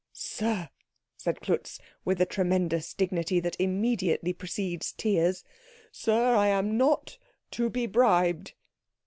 "Sir," said Klutz, with the tremendous dignity that immediately precedes tears, "Sir, I am not to be bribed."